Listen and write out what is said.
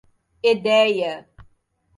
Edéia